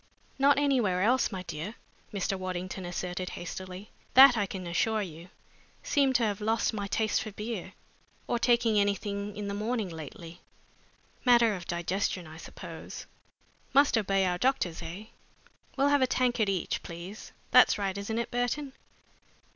"Not anywhere else, my dear," Mr. Waddington asserted, hastily, "that I can assure you. Seem to have lost my taste for beer, or taking anything in the morning lately. Matter of digestion, I suppose. Must obey our doctors, eh? We'll have a tankard each, please. That's right, isn't it, Burton?"